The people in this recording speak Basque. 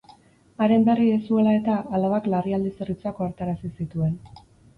Haren berri ez zuela eta, alabak larrialdi zerbitzuak ohartarazi zituen.